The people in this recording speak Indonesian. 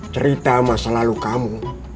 cerita masa lalu kamu